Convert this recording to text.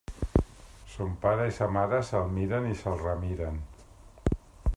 Son pare i sa mare se'l miren i se'l remiren.